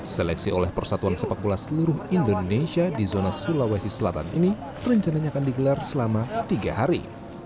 seleksi oleh persatuan sepak bola seluruh indonesia di zona sulawesi selatan ini rencananya akan digelar selama tiga hari